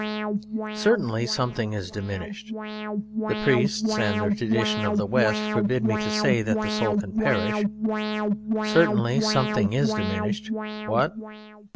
Certainly something is diminished (the Priests and the tradition of the West forbid me to say that the soul can perish), certainly something is diminished what?